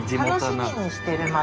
楽しみにしてるまた。